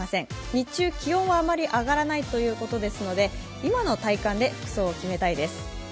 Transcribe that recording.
日中は気温があまり上がらないということですので今の体感で服装を決めたいです。